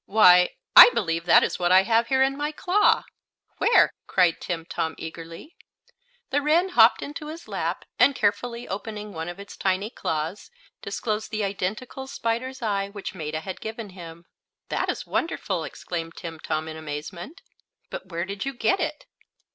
Why, I believe that is what I have here in my claw!" "Where?" cried Timtom, eagerly. The wren hopped into his lap, and carefully opening one of its tiny claws disclosed the identical spider's eye which Maetta had given him. "That is wonderful!" exclaimed Timtom, in amazement. "But where did you get it?"